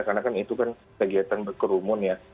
karena kan itu kan kegiatan berkerumun ya